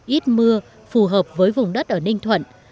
ít mưa phù hợp với vùng đất ở ninh thuận